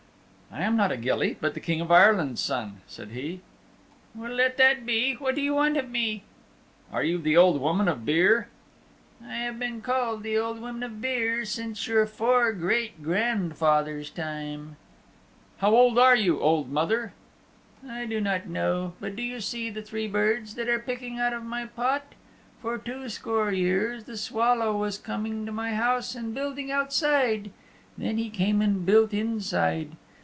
"I am not a gilly, but the King of Ireland's Son," said he. "Well, let that be. What do you want of me?" "Are you the Old Woman of Beare?" "I have been called the Old Woman of Beare since your fore great grandfather's time." "How old are you, old mother?" "I do not know. But do you see the three birds that are picking out of my pot? For two score years the swallow was coming to my house and building outside. Then he came and built inside.